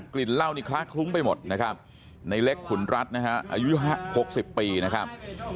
ลิ่นเหล้านี่คล้าคลุ้งไปหมดนะครับในเล็กขุนรัฐนะฮะอายุ๖๐ปีนะครับ